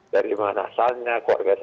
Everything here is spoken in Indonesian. dari mana asalnya keluarga